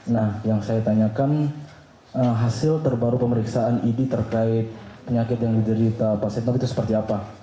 nah yang saya tanyakan hasil terbaru pemeriksaan idi terkait penyakit yang diderita pak setnov itu seperti apa